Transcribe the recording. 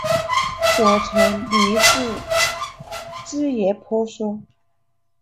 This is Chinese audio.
左侧绿树枝叶婆娑